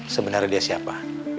sebenernya dia siapa